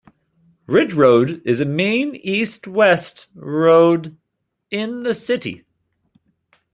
Ridge Road is a main east-west road in the city.